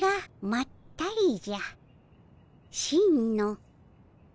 真のまったりじゃ。